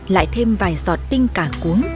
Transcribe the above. lại thêm vài giọt tinh cả cuốn